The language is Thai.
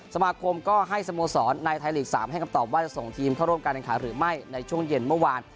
สมาคมก็ให้สโมสรในไทยลีก๓ให้คำตอบว่าจะส่งทีมเข้าร่วมการแข่งขันหรือไม่ในช่วงเย็นเมื่อวาน